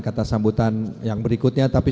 kata sambutan yang berikutnya tapi